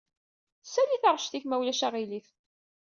Sali taɣect-ik ma ulac aɣilif.